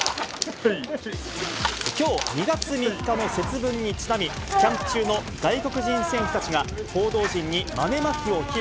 きょう２月３日の節分にちなみ、キャンプ中の外国人選手たちが、報道陣に豆まきを披露。